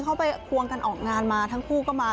เขาไปควงกันออกงานมาทั้งคู่ก็มา